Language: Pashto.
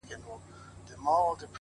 • زه به هم داسي وكړم؛